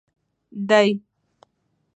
دي